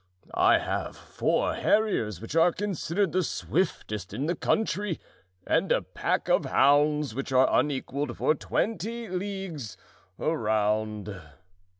I have four harriers which are considered the swiftest in the county, and a pack of hounds which are unequalled for twenty leagues around."